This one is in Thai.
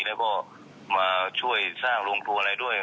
แล้วก็มาช่วยสร้างภูมิอะไรด้วย